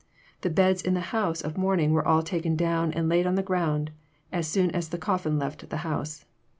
The beds in the house of mourning were all taken down and laid on the ground, as soon as the coffin left the house.